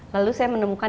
lalu saya menemukan